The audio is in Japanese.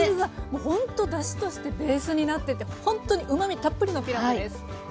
もうほんとだしとしてベースになっててほんっとにうまみたっぷりのピラフです。